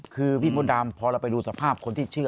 คือพี่มดดำพอเราไปดูสภาพคนที่เชื่อ